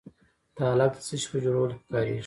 تالک د څه شي په جوړولو کې کاریږي؟